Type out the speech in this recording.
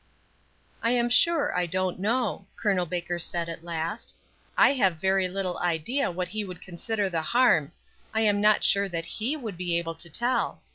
"I am sure I don't know," Col. Baker said, at last. "I have very little idea what he would consider the harm; I am not sure that he would be able to tell.